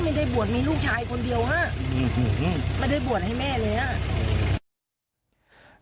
ไม่ได้บ่วนมีลูกชายคนเดียวไม่ได้บ่วนให้แม่เลย